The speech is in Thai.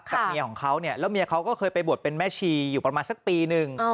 เมียของเขาเนี่ยแล้วเมียเขาก็เคยไปบวชเป็นแม่ชีอยู่ประมาณสักปีหนึ่ง